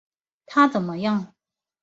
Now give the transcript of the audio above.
他怎么样？